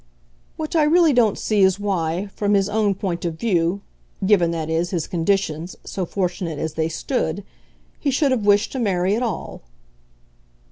"What I really don't see is why, from his own point of view given, that is, his conditions, so fortunate as they stood he should have wished to marry at all."